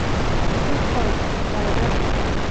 চুপ কর, টাইগার।